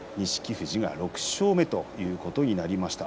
富士が６勝目ということになりました。